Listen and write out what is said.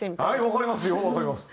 わかりますよわかります。